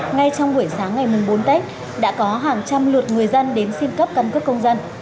ngay trong buổi sáng ngày mùng bốn tết đã có hàng trăm lượt người dân đến xin cấp căn cước công dân